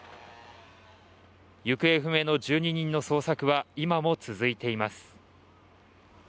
行方不明の１２人の捜索は今も続いています。